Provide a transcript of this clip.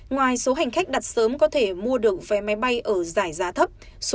ngoài số hành khách đặt sớm có thể mua được vé máy bay ở giải giá thấp